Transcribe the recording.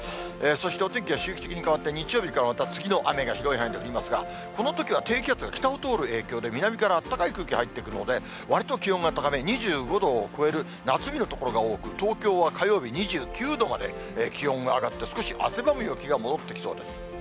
そしてお天気は周期的に変わって、日曜日からまた次の雨が広い範囲で降りますが、このときは低気圧が北を通る影響で、南から暖かい空気入ってくるので、わりと気温が高め、２５度を超える夏日の所が多く、東京は火曜日２９度まで気温上がって、少し汗ばむ陽気が戻ってきそうです。